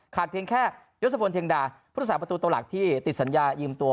เพียงแค่ยศพลเทียงดาผู้รักษาประตูตัวหลักที่ติดสัญญายืมตัว